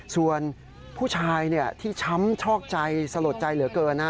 ส่วนผู้ชายที่ช้ำชอกใจสลดใจเหลือเกินนะ